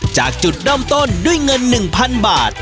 จากจุดเริ่มต้นด้วยเงิน๑๐๐๐บาท